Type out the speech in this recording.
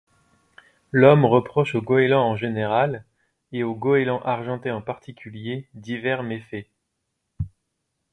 L'homme reproche aux goélands en général et au goéland argenté en particulier divers méfaits.